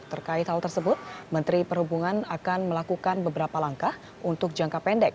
terkait hal tersebut menteri perhubungan akan melakukan beberapa langkah untuk jangka pendek